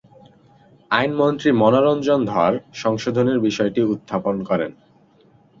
আইনমন্ত্রী মনোরঞ্জন ধর সংশোধনীর বিষয়টি উত্থাপন করেন।